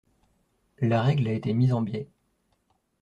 La règle a été mise en biais.